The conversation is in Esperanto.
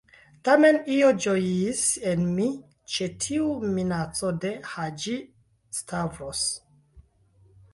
Tamen, io ĝojis en mi ĉe tiu minaco de Haĝi-Stavros.